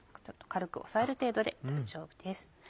軽く押さえる程度で大丈夫です。